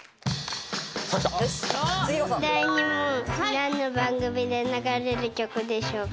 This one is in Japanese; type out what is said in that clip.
第２問何の番組で流れる曲でしょうか？